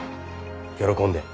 喜んで。